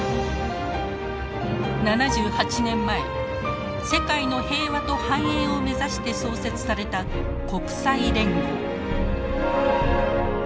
７８年前「世界の平和と繁栄」を目指して創設された国際連合。